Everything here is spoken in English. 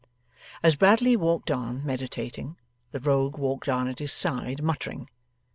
As Bradley walked on meditating, the Rogue walked on at his side muttering.